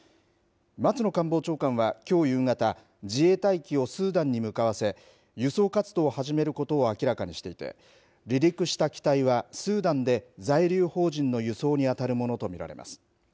松野官房長官はきょう夕方、自衛隊機をスーダンに向かわせ、輸送活動を始めることを明らかにしていて、離陸した機体はスーダンで在留邦人の輸送に当たるものと見られます。